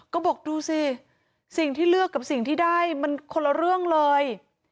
ก็บอกดูสิสิ่งที่เลือกกับสิ่งที่ได้มันคนละเรื่องเลย